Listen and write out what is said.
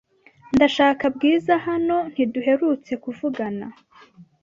Ndashaka Bwiza hano ntiduherutse kuvugana